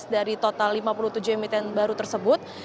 dari total lima puluh tujuh emiten baru tersebut